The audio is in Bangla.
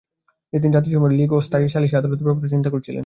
তিনি জাতিসমূহের লিগ ও স্থায়ী সালিশি আদালতের ব্যাপারেও চিন্তা করেছিলেন।